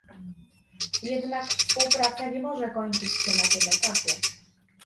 Jednak współpraca nie może kończyć się na tym etapie